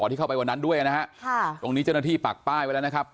ที่เข้าไปวันนั้นด้วยนะฮะค่ะตรงนี้เจ้าหน้าที่ปักป้ายไว้แล้วนะครับ